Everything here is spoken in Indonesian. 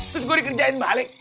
terus gua dikerjain balik